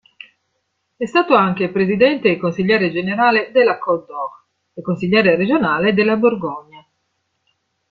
È stato anche presidente e consigliere generale della Côte-d'Or, e consigliere regionale della Borgogna.